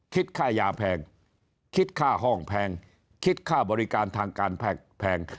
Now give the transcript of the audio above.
คิดค่ายาแพงคิดค่าห้องแพงคิดค่าบริการทางการแพง